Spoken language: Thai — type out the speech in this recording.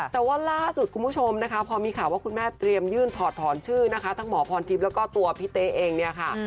แต่ว่าล่าสุดคุณผู้ชมนะคะพอมีข่าวว่าคุณแม่เตรียมยื่นถอดถอนชื่อนะคะทั้งหมอพรทิพย์แล้วก็ตัวพี่เต๊ะเองเนี่ยค่ะ